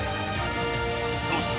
そして。